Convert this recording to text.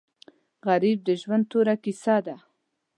غریب د ژوند توره کیسه ده